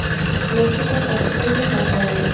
লোকটি তার পাশে দাঁড়িয়ে হাত বাড়াল।